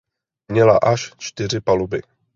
Měla až čtyři paluby.